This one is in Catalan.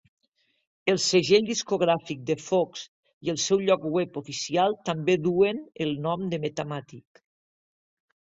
El segell discogràfic de Foxx i el seu lloc web oficial també dueen el nom de Metamatic.